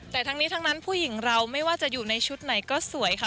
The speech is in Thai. แต่ทั้งนี้ทั้งนั้นผู้หญิงเราไม่ว่าจะอยู่ในชุดไหนก็สวยค่ะ